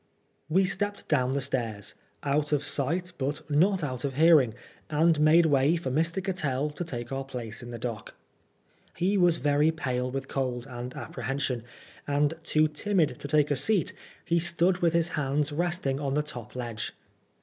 We stepped down the stairs, out of sight but not out of hearing, and made way for Mr. Cattell to take our place in the dock. He was very pale with cold and apprehension, and too timid to take a seat, he stood with his hands resting on the top ledge.